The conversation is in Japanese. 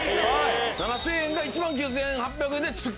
７０００円が１万９８００円で付く。